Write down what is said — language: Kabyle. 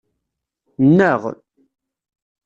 Nnaɣ.